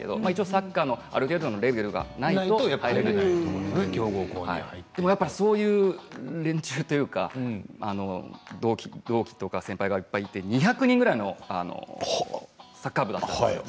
サッカーがある程度のレベルでないと入れるところではなかったんですけれどそういう連中というか同期とか先輩がいっぱいいて２００人くらいのサッカー部だったんですよ。